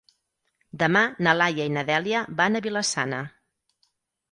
Demà na Laia i na Dèlia van a Vila-sana.